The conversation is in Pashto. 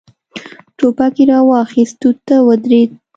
ټوپک يې را واخيست، توت ته ودرېد.